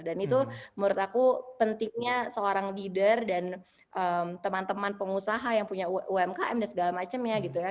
itu menurut aku pentingnya seorang leader dan teman teman pengusaha yang punya umkm dan segala macamnya gitu ya